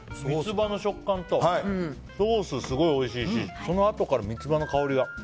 ミツバの食感とソースがすごいおいしいしそのあとからミツバの香りが。